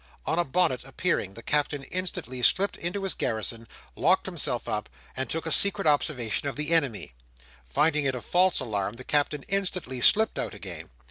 On a bonnet appearing, the Captain instantly slipped into his garrison, locked himself up, and took a secret observation of the enemy. Finding it a false alarm, the Captain instantly slipped out again.